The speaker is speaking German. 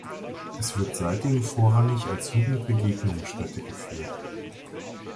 Es wird seitdem vorrangig als Jugendbegegnungsstätte geführt.